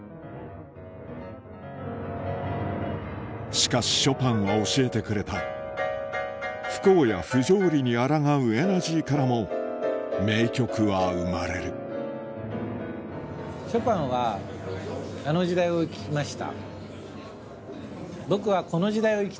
しかし不幸や不条理にあらがうエナジーからも名曲は生まれるショパンはあの時代を生きました。